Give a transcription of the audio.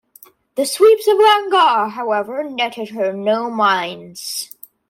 The sweeps of Angaur, however, netted her no mines.